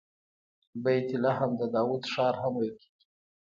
بیت لحم ته د داود ښار هم ویل کیږي.